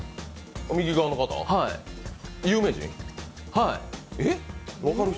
右側の方、有名人？